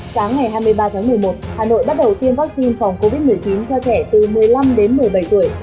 sáng ngày hai mươi ba tháng một mươi một hà nội bắt đầu tiêm vaccine phòng covid một mươi chín cho trẻ từ một mươi năm đến một mươi bảy tuổi